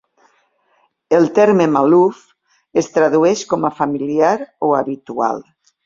El terme malouf es tradueix com a "familiar" o "habitual".